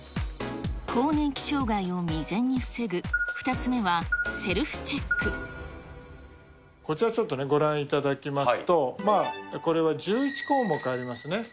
更年期障害を未然に防ぐ、こちら、ちょっとご覧いただきますと、これは１１項目ありますね。